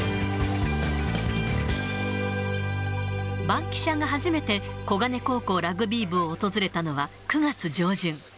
バンキシャが初めて小金高校ラグビー部を訪れたのは９月上旬。